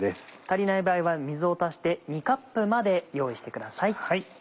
足りない場合は水を足して２カップまで用意してください。